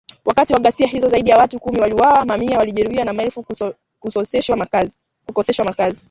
Wakati wa ghasia hizo, zaidi ya watu kumi waliuawa, mamia walijeruhiwa na maelfu kukoseshwa makazi